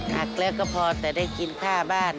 หักแล้วก็พอแต่ได้กินค่าบ้าน